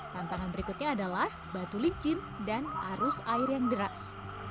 tantangan berikutnya adalah batu licin dan arus air yang deras